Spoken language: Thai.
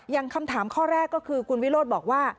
อย่างคำถามข้อแรกก็คือคุณวิโรธบอกว่า